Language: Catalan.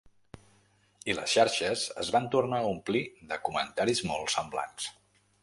I les xarxes es van tornar a omplir de comentaris molt semblants.